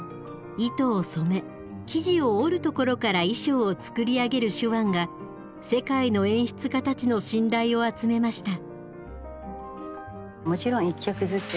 糸を染め生地を織るところから衣装を作り上げる手腕が世界の演出家たちの信頼を集めました。